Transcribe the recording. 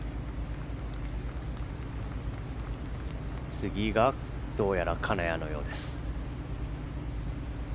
次が、どうやら金谷のようです。